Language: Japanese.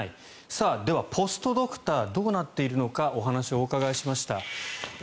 さあ、ではポストドクターどうなっているのかお話をお伺いしました。